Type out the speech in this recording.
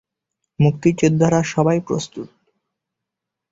মুক্তিযোদ্ধারা সবাই প্রস্তুত।